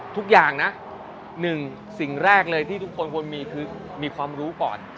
ทุกอย่างนะหนึ่งสิ่งแรกเลยที่ทุกคนควรมีคือมีความรู้ก่อน